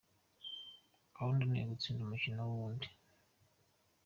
Gahunda ni ugutsinda umukino ku wundi.